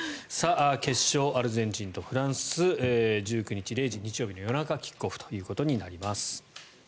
決勝、アルゼンチンとフランス１９日０時、日曜日の夜中キックオフとなります。